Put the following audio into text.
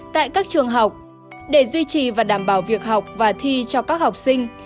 tại các trường học để duy trì và đảm bảo việc học và thi cho các học sinh